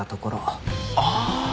ああ！